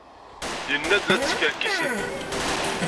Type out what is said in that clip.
Yenna-d la teskerkisem.